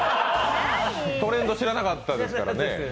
トレンド知らなかったですからね。